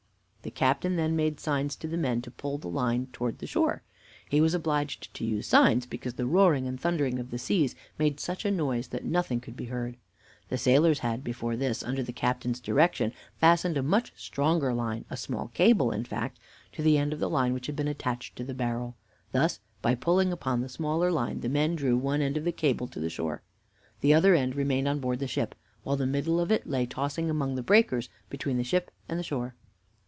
"The captain then made signs to the men to pull the line in toward the shore. He was obliged to use signs, because the roaring and thundering of the seas made such a noise that nothing could be heard. The sailors had before this, under the captain's direction, fastened a much stronger line a small cable, in fact to the end of the line which had been attached to the barrel. Thus, by pulling upon the smaller line, the men drew one end of the cable to the shore. The other end remained on board the ship, while the middle of it lay tossing among the breakers between the ship and the shore.